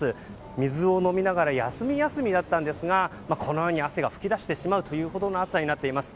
水を飲みながら休み休みだったんですが汗が吹き出してしまうほどの暑さとなっています。